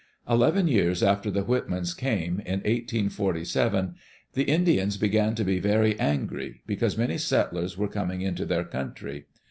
Eleven years after the Whitmans came, in 1847, ^^ Indians began to be very angry because many settlers were coming into their country.